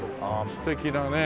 素敵だね。